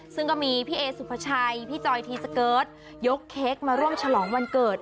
ซึ่งก็มีพี่เอสุภาชัยพี่จอยทีสเกิร์ตยกเค้กมาร่วมฉลองวันเกิด